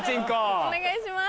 判定お願いします。